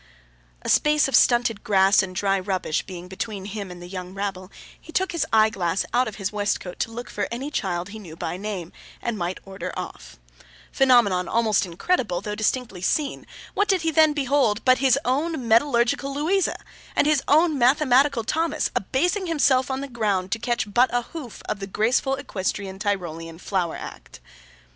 A space of stunted grass and dry rubbish being between him and the young rabble, he took his eyeglass out of his waistcoat to look for any child he knew by name, and might order off. Phenomenon almost incredible though distinctly seen, what did he then behold but his own metallurgical Louisa, peeping with all her might through a hole in a deal board, and his own mathematical Thomas abasing himself on the ground to catch but a hoof of the graceful equestrian Tyrolean flower act!